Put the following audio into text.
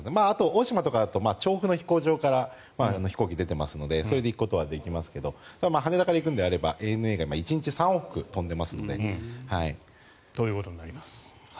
大島とかだったら調布の飛行場から飛行機が出ていますのでそれで行くことはできますが羽田から行くのであればＡＮＡが１日３往復飛んでいますので。ということになります。